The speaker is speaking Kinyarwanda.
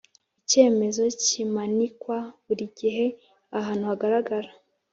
Icyemezo kimanikwa buri gihe ahantu hagaraga